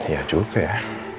ya juga ya